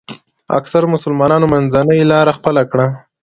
اکثرو مسلمانانو منځنۍ لاره خپله کړه.